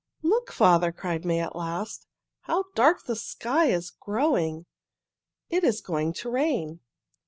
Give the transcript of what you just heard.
"Look, father!" cried May at last. "How dark the sky is growing! It is going to rain."